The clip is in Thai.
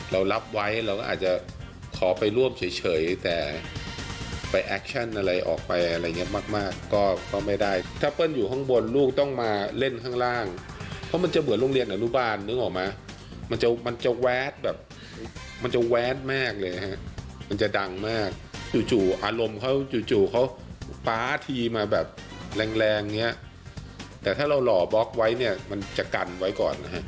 เรารับไว้เราก็อาจจะขอไปร่วมเฉยแต่ไปแอคชั่นอะไรออกไปอะไรอย่างเงี้ยมากมากก็ไม่ได้ถ้าเปิ้ลอยู่ข้างบนลูกต้องมาเล่นข้างล่างเพราะมันจะเหมือนโรงเรียนอนุบาลนึกออกไหมมันจะมันจะแวดแบบมันจะแวดมากเลยนะฮะมันจะดังมากจู่อารมณ์เขาจู่เขาฟ้าทีมาแบบแรงแรงเนี่ยแต่ถ้าเราหล่อบล็อกไว้เนี่ยมันจะกันไว้ก่อนนะฮะ